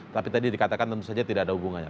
tapi tadi dikatakan tentu saja tidak ada hubungannya